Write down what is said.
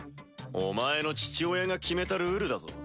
お前の父親が決めたルールだぞ。